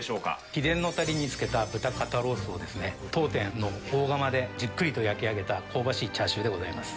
秘伝のたれにつけた豚肩ロースを、当店の大窯でじっくりと焼き上げた、香ばしいチャーシューでございます。